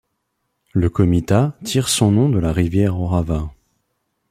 Le comitat tire son nom de la rivière Orava.